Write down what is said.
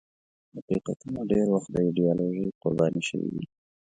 حقیقتونه ډېر وخت د ایدیالوژۍ قرباني شوي دي.